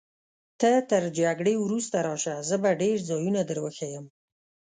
ته تر جګړې وروسته راشه، زه به ډېر ځایونه در وښیم.